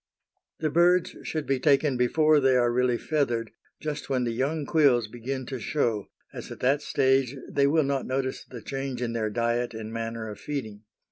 The birds should be taken before they are really feathered, just when the young quills begin to show, as at that stage they will not notice the change in their diet and manner of feeding.